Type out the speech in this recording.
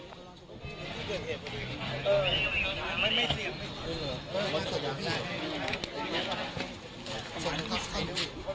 ไม่เสี่ยง